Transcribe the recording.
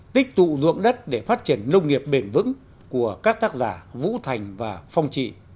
tích tụ ruộng đất để phát triển nông nghiệp bền vững của các tác giả vũ thành và phong trị